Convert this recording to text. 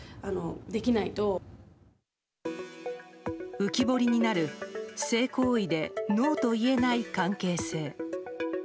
浮き彫りになる性行為でノーと言えない関係性。